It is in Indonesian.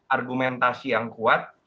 argumentasi yang kuat